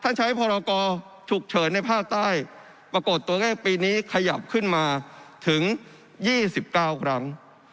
ใช้พรกรฉุกเฉินในภาคใต้ปรากฏตัวเลขปีนี้ขยับขึ้นมาถึง๒๙ครั้ง